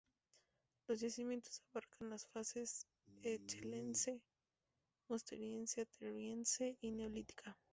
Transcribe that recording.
Los yacimientos abarcan las fases achelense, musteriense-ateriense y neolítica.